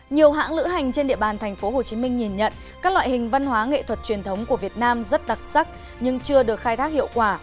nhiều hãng lữ hành trên địa bàn thành phố hồ chí minh nhìn nhận các loại hình văn hóa nghệ thuật truyền thống của việt nam rất đặc sắc nhưng chưa được khai thác hiệu quả